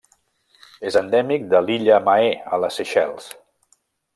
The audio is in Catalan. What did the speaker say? És endèmic de l'illa Mahé a Les Seychelles.